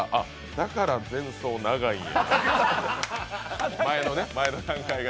だから前奏長いんや。